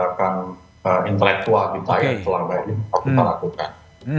dari perusahaan yang intelektual kita yang selama ini berperlakukan